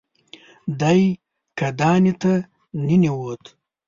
دی کاهدانې ته ننوت.